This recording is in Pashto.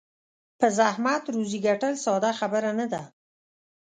په زحمت روزي ګټل ساده خبره نه ده.